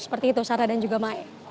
seperti itu sarah dan juga mae